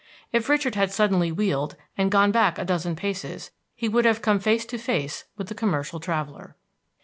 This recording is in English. If Richard had suddenly wheeled and gone back a dozen paces, he would have come face to face with the commercial traveler.